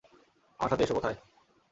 আমার সাথে এসো, - কোথায়?